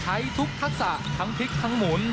ใช้ทุกทักษะทั้งพริกทั้งหมุน